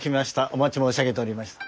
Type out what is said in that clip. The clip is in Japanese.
お待ち申し上げておりました。